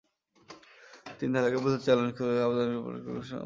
তিন তালাকের বৈধতা চ্যালেঞ্জ করে করা আবেদনের শুনানি করছেন সুপ্রিম কোর্ট।